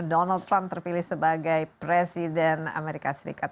donald trump terpilih sebagai presiden amerika serikat